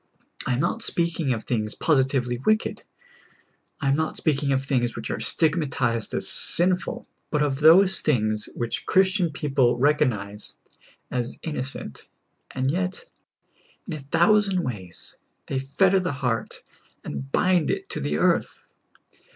I am not speaking of things positively wicked ; I am not speaking of things which are stigmatized as 44 SOUL FOOD. sinful ; but of those things which Christian people recognize as innocent, and yet, in a thousand ways, they fetter the heart and bind it to earth.